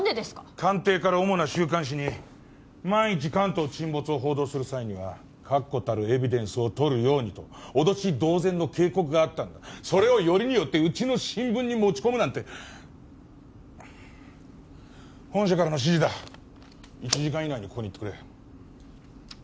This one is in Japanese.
官邸から主な週刊誌に万一関東沈没を報道する際には確固たるエビデンスをとるようにと脅し同然の警告があったんだそれをよりによってうちの新聞に持ち込むなんて本社からの指示だ１時間以内にここに行ってくれ